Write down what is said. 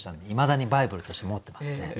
いまだにバイブルとして持ってますね。